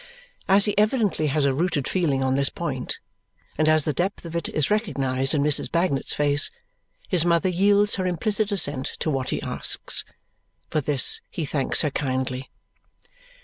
As he evidently has a rooted feeling on this point, and as the depth of it is recognized in Mrs. Bagnet's face, his mother yields her implicit assent to what he asks. For this he thanks her kindly.